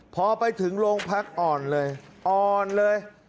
พอไปถึงโรงพักอ่อนเลยอ่อนเลย